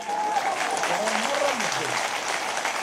Ẓṛan meṛṛa medden.